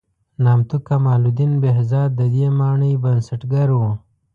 نامتو کمال الدین بهزاد د دې مانۍ بنسټګر و.